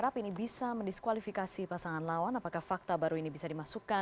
pak lutfi selamat malam